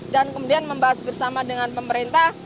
dan kemudian membahas bersama dengan pemerintah